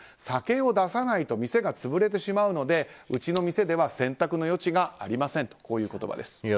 酒を出さないと店が潰れてしまうのでうちの店では選択の余地がありませんとこういう言葉です。